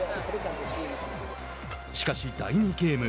しかし、第２ゲーム。